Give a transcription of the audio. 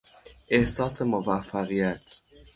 احساس موفقیت